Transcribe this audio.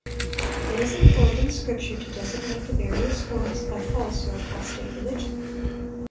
It is employed in Scripture to designate the various forms of false or apostate religion.